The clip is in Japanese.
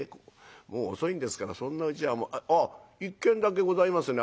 もう遅いんですからそんなうちはもうああ一軒だけございますね